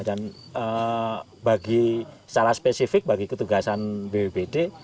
dan bagi secara spesifik bagi ketugasan bpbd